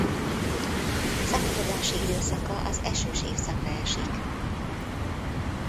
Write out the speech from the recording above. Szaporodási időszaka az esős évszakra esik.